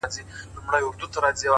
اخلاص د عمل روح دی!